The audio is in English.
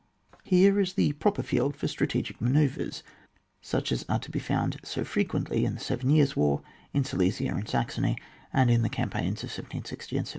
Here is the proper fleld for strategic manoeuvres, such as are to be found so frequently in the Seven Years' War, in Silesia and Saxony, and in the cam paigns of 1760 and 1762.